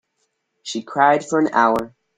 She cried for an hour.